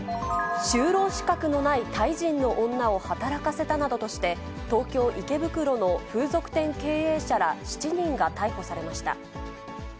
就労資格のないタイ人の女を働かせたなどとして、東京・池袋の風俗店経営者ら７人が逮捕されました。